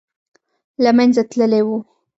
له منځه تللی وو.